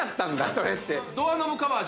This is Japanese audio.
⁉それって。